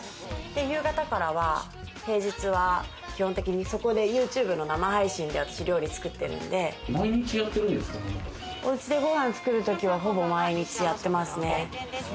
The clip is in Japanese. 夕方からは平日は基本的にそこでユーチューバーの生配信で料理作ってるんで、うちでご飯作るときはほぼ毎日やってますね。